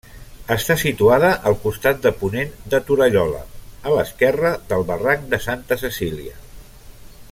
Està situada al costat de ponent de Torallola, a l'esquerra del barranc de Santa Cecília.